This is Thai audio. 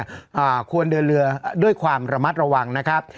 อ่าควรเดินเรือด้วยความระมัดระวังนะครับ